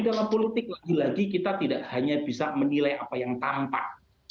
dan di politik lagi lagi kita tidak hanya bisa menilai apa yang tampak